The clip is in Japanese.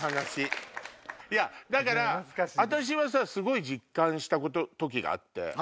だから私はすごい実感した時があって。